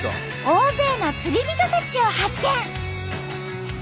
大勢の釣り人たちを発見！